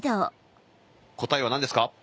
答えは何ですか？